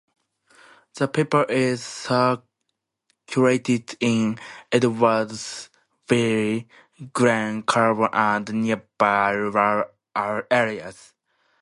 The paper is circulated in Edwardsville, Glen Carbon, and nearby rural areas.